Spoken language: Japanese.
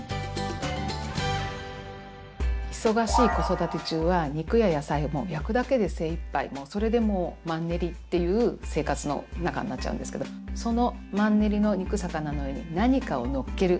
忙しい子育て中は肉や野菜も焼くだけで精いっぱいそれでもうマンネリっていう生活の中になっちゃうんですけどそのマンネリの肉魚の上に何かをのっける。